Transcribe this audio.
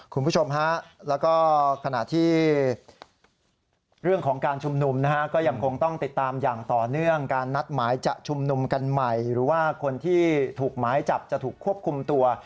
คุณผู้ชมแล้วก็ขณะที่เรื่องของการชุมนุม